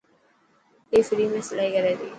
اي فري ۾ سلائي ڪري تي؟